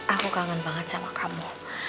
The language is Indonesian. aku kangen banget sama kamu